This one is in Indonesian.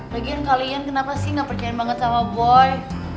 bagian kalian kenapa sih gak percaya banget sama boy